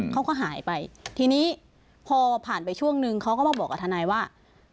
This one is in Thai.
เขาก็หายไปทีนี้พอผ่านไปช่วงนึงเขาก็มาบอกกับทนายว่า